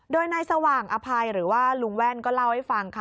โดยนายสว่างอภัยหรือว่าลุงแว่นก็เล่าให้ฟังค่ะ